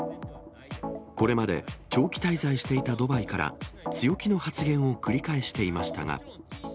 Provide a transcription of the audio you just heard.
これまで長期滞在していたドバイから、強気の発言を繰り返していましたが。